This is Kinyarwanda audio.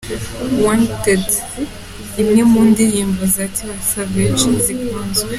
Wanted, imwe mu ndirimbo za Tiwa Savage zikunzwe.